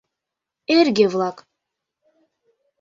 Эрге-влак